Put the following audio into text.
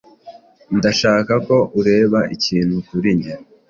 Ndashaka ko ureba ikintu kuri njye.